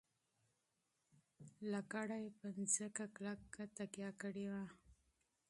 امسا یې په مځکه کلکه تکیه کړې وه.